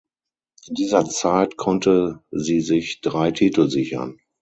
In dieser Zeit konnte sie sich drei Titel sichern.